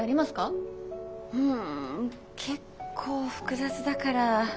うん結構複雑だから。